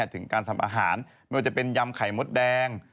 ถึงการทำอาหารไม่ว่าจะเป็นยำไข่มดแดง